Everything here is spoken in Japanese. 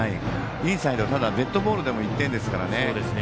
インサイド、デッドボールでも１点ですからね。